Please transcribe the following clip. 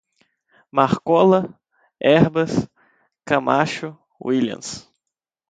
Marcola, Herbas, Camacho, Willians